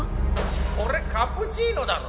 これカプチーノだろ？